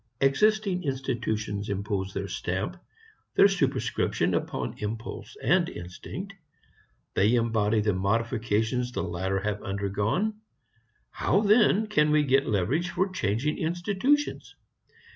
Existing institutions impose their stamp, their superscription, upon impulse and instinct. They embody the modifications the latter have undergone. How then can we get leverage for changing institutions?